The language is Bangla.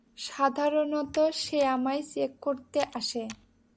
সাধারণত সে আমায় চেক করতে আসে।